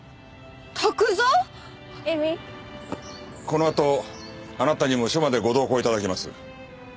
このあとあなたにも署までご同行頂きます。